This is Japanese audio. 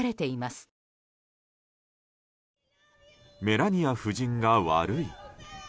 メラニア夫人が悪い？